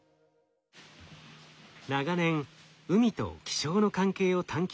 長年海と気象の関係を探求してきた立花さん。